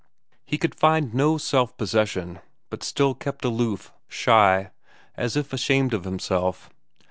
He could find no self possession, but still kept aloof, shy, as if ashamed of himself.